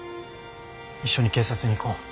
一緒に警察に行こう。